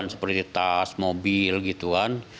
seperti tas mobil gitu kan